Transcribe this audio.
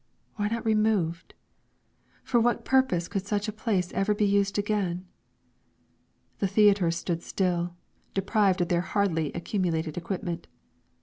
Why not removed? For what purpose could such a place ever be used again? The theatres still stood deprived of their hardly accumulated equipment.